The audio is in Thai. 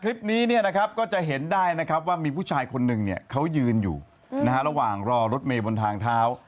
คลิปนี้ก็จะเห็นได้ว่ามีผู้ชายคนหนึ่งเขายืนอยู่ระหว่างรอรถเมล์บนทางเท้า